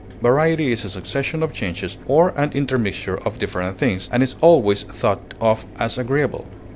Variety is a succession of changes or an intermixture of different things, and is always thought of as agreeable.